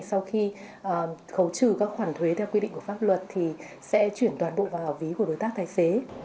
sau khi khấu trừ các khoản thuế theo quy định của pháp luật thì sẽ chuyển toàn bộ vào ví của đối tác tài xế